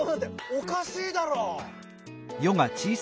おかしいだろ！」。